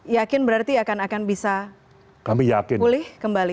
yakin berarti akan bisa pulih kembali